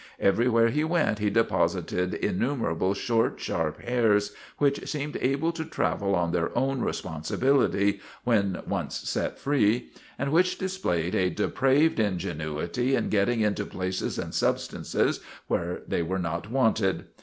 Everywhere he went he deposited innumerable short, sharp hairs which seemed able to travel on their own responsibility, when once set free, and which displayed a depraved ingenuity in getting into places and substances where they were not wanted.